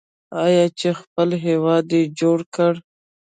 آیا چې خپل هیواد یې جوړ کړ؟